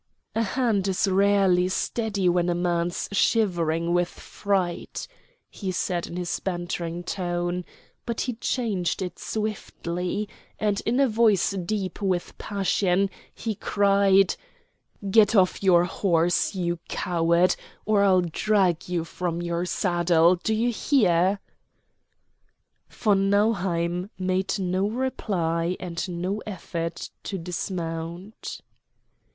"A hand is rarely steady when a man's shivering with fright," he said in his bantering tone; but he changed it swiftly, and, in a voice deep with passion, he cried, "Get off your horse, you coward, or I'll drag you from your saddle! Do you hear?" Von Nauheim made no reply, and no effort to dismount.